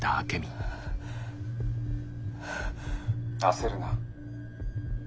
「焦るな」。